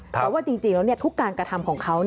เพราะว่าจริงแล้วทุกการกระทำของเขา